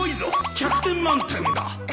１００点満点だ！